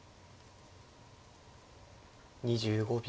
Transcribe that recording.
２５秒。